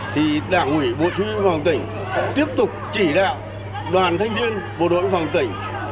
thì đảng ủy bộ thuyên phòng tỉnh tiếp tục chỉ đạo đoàn thanh niên bộ đội biên phòng tỉnh